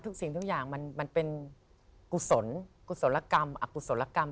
ทุกสิ่งทุกอย่างมันเป็นกุศลกรรม